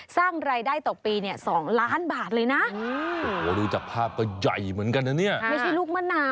สร้างรายได้ต่อปี๒ล้านบาทเลยนะ